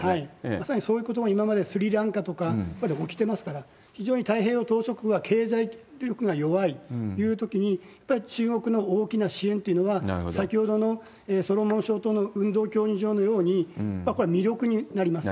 まさにそういうことが、今までスリランカとかでやはり起きてますから、非常に太平洋島しょ国は経済力が弱いというときに、やはり中国の大きな支援というのは、先ほどのソロモン諸島の運動競技場のように、これ、魅力になります。